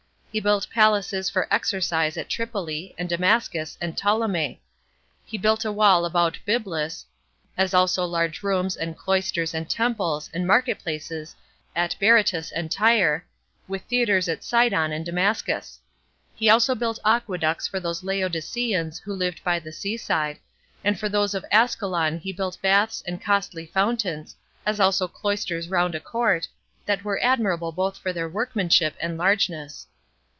He built palaces for exercise at Tripoli, and Damascus, and Ptolemais; he built a wall about Byblus, as also large rooms, and cloisters, and temples, and market places at Berytus and Tyre, with theatres at Sidon and Damascus. He also built aqueducts for those Laodiceans who lived by the sea side; and for those of Ascalon he built baths and costly fountains, as also cloisters round a court, that were admirable both for their workmanship and largeness.